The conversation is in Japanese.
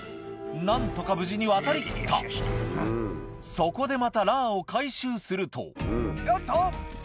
何とか無事に渡り切ったそこでまたラーを回収するとよっと！